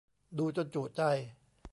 ดูจนจุใจ